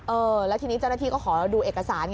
แล้วทีนี้เจ้าหน้าที่ก็ขอดูเอกสาร